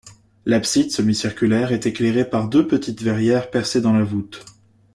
L'abside semi-circulaire, est éclairée par deux petites verrières percées dans la voûte.